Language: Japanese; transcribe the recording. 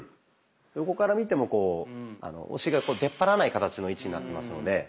横から見てもお尻が出っ張らない形の位置になってますので。